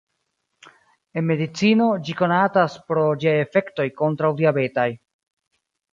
En medicino, ĝi konatas pro ĝiaj efektoj kontraŭ-diabetaj.